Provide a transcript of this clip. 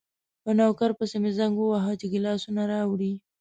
په نوکر پسې مې زنګ وواهه چې ګیلاسونه راوړي.